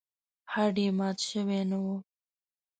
هډ یې مات شوی نه و.